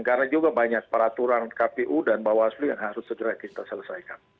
karena juga banyak peraturan kpu dan bawaslu yang harus segera kita selesaikan